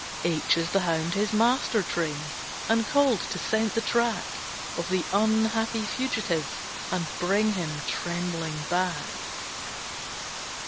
H H is the Hound his master trained, And called to scent the track Of the unhappy Fugitive, And bring him trembling back.